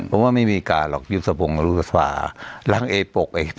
ผมว่าไม่มีการหลอกยุบสะพาลังเอภก